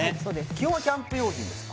基本キャンプ用品ですか？